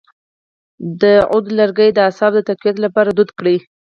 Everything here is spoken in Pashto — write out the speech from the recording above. د عود لرګی د اعصابو د تقویت لپاره دود کړئ